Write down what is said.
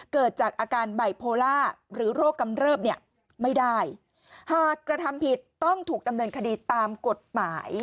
เกิดจากอาการไบโพล่าหรือโรคกำเริบเนี่ยไม่ได้หากกระทำผิดต้องถูกดำเนินคดีตามกฎหมาย